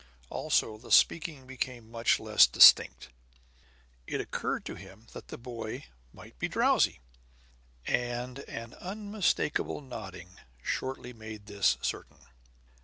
Also, the speaking became much less distinct. It occurred to him that the boy might be drowsy; and an unmistakable nodding shortly made this certain.